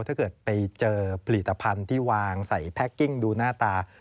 ถ้าเกิดไปเจอผลิตภัณฑ์ที่วางใส่แพ็กกิ้งดูหน้าตา